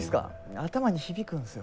頭に響くんすよ。